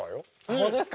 本当ですか？